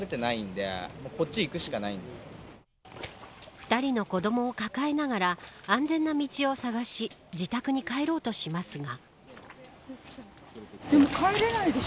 ２人の子どもを抱えながら安全な道を探し自宅に帰ろうとしますが。